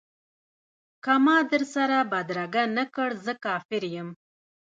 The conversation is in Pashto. که ما در سره بدرګه نه کړ زه کافر یم.